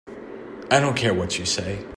I don't care what you say.